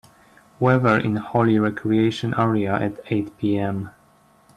weather in Holly Recreation Area at eight P.m